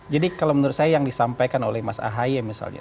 jadi kalau menurut saya yang disampaikan oleh mas ahaye misalnya